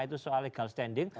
itu soal legal standing